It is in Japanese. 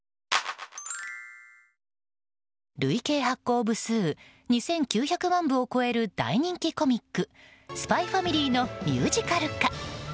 累計発行部数２９００万部を超える大人気コミック「ＳＰＹ×ＦＡＭＩＬＹ」のミュージカル化。